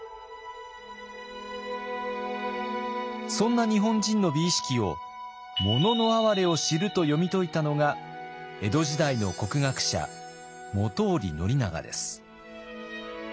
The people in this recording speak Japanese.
そんな日本人の美意識を「“もののあはれ”を知る」と読み解いたのが江戸時代の国学者本居宣長です。